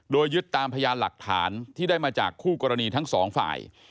โดยยึดตามพยานหลักฐานที่ได้มาจากคู่กรณีทั้งสองฝ่าย